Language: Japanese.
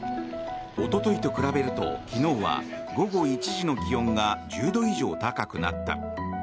おとといと比べると昨日は午後１時の気温が１０度以上高くなった。